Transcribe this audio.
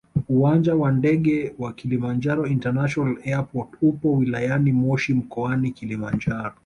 uwanja wa ndege wa kilimanjaro international airport upo wiliyani moshi mkoani Kilimanjaro